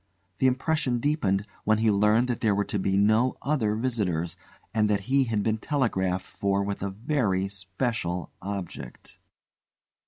The impression deepened when he learned that there were to be no other visitors, and that he had been telegraphed for with a very special object.